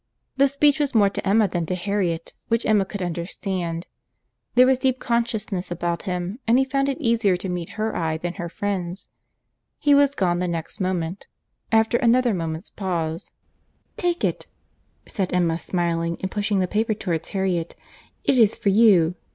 The speech was more to Emma than to Harriet, which Emma could understand. There was deep consciousness about him, and he found it easier to meet her eye than her friend's. He was gone the next moment:—after another moment's pause, "Take it," said Emma, smiling, and pushing the paper towards Harriet—"it is for you.